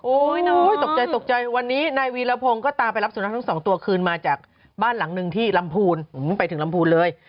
ตกใจตกใจวันนี้นายวีรพงศ์ก็ตามไปรับสุนัขทั้งสองตัวคืนมาจากบ้านหลังหนึ่งที่ลำพูนไปถึงลำพูนเลย